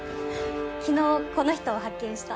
昨日この人を発見した。